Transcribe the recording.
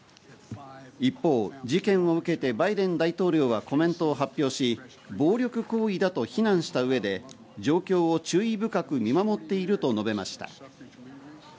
一方、事件を受けてバイデン大統領はコメントを発表し、暴力行為だと非難した上で状況を注意深く見守っていると述べました。